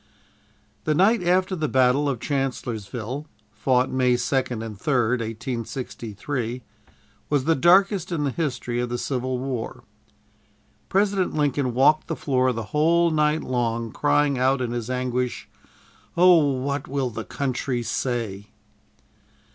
The night after the battle of Chancellorsville (fought May 2nd and 3d, 1863), was the darkest in the history of the Civil War. President Lincoln walked the floor the whole night long, crying out in his anguish, "O what will the country say!"